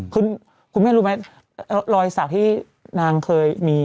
คือคุณแม่รู้ไหมรอยสักที่นางเคยมี